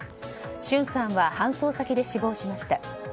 俊さんは搬送先で死亡しました。